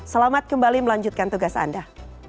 selamat kembali melanjutkan tugas anda